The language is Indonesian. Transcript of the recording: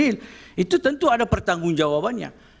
itu tentu ada pertanggung jawabannya